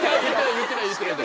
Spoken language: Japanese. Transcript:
言ってない言ってない。